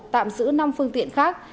tạm giữ năm phương tiện khác